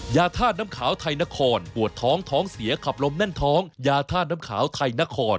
ยาธาตุน้ำขาวไทยนครปวดท้องท้องเสียขับลมแน่นท้องยาธาตุน้ำขาวไทยนคร